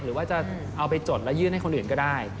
หรือว่าจะเอาไปจดแล้วยื่นให้คนอื่นก็ได้